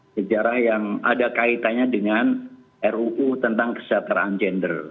sejarah yang ada kaitannya dengan ruu tentang kesejahteraan gender